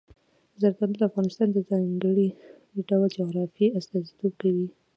زردالو د افغانستان د ځانګړي ډول جغرافیې استازیتوب کوي.